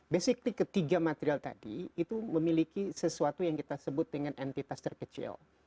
basictly ketiga material tadi itu memiliki sesuatu yang kita sebut dengan entitas terkecil